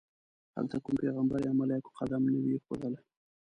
هلته کوم پیغمبر یا ملایکو قدم نه وي ایښودلی.